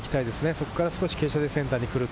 そこから少し傾斜でセンターに来る。